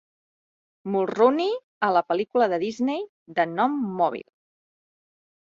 Mulrooney a la pel·lícula de Disney "The Gnome-Mobile".